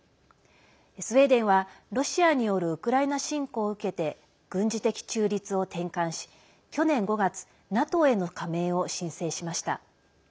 スウェーデンは、ロシアによるウクライナ侵攻を受けて軍事的中立を転換し、去年５月ＮＡＴＯへの加盟を申請しました。